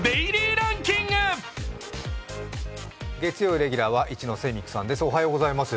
月曜レギュラーは一ノ瀬美空さんです。